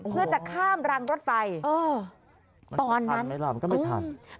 เพื่อจะข้ามรังรถไฟตอนนั้นมันจะผ่านไหมล่ะมันก็ไม่ผ่าน